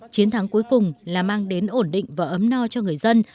chiến thắng cuối cùng là mang đến ổn định và ấm no cho người dân